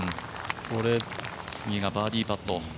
次がバーディーパット。